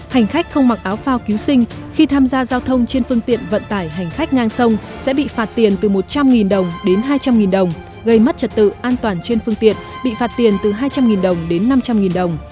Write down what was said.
hành khách không mặc áo phao cứu sinh khi tham gia giao thông trên phương tiện vận tải hành khách ngang sông sẽ bị phạt tiền từ một trăm linh đồng đến hai trăm linh đồng gây mất trật tự an toàn trên phương tiện bị phạt tiền từ hai trăm linh đồng đến năm trăm linh đồng